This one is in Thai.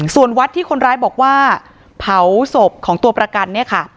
ส่วนวัดที่คนร้ายบอกว่าเผาศพของตัวประกันเนี่ยค่ะ